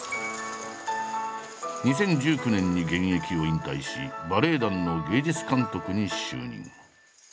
２０１９年に現役を引退しバレエ団の芸術監督に就任。